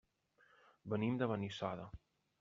Venim de Benissoda.